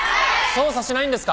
捜査しないんですか？